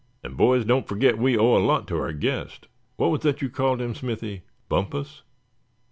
"And boys, don't forget we owe a lot to our guest what was that you called him, Smithy Bumpus?"